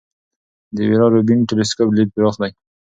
د ویرا روبین ټیلسکوپ لید پراخ دی.